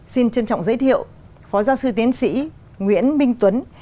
xin trân trọng giới thiệu phó giáo sư tiến sĩ nguyễn minh tuấn